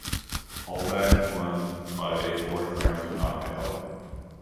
Hallback won by a fourth round knockout.